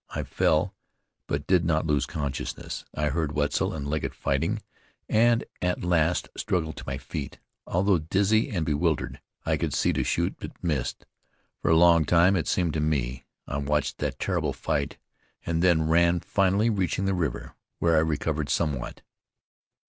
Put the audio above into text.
I fell, but did not lose consciousness. I heard Wetzel and Legget fighting, and at last struggled to my feet. Although dizzy and bewildered, I could see to shoot; but missed. For a long time, it seemed to me, I watched that terrible fight, and then ran, finally reaching the river, where I recovered somewhat."